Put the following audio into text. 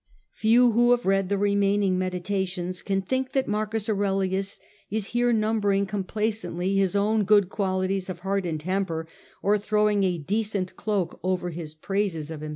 Few who have read the remaining Meditations can think that M. Aurelius is here numbering com placently his own good qualities of heart and temper, or throwing a decent cloak over his praises of himself.